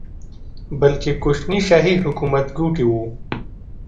بلکې کوچني شاهي حکومت ګوټي وو.